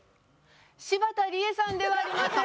柴田理恵さんではありません。